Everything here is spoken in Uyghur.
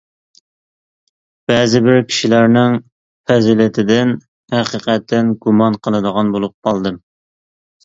بەزى بىر كىشىلەرنىڭ پەزىلىتىدىن ھەقىقەتەن گۇمان قىلىدىغان بولۇپ قالدىم.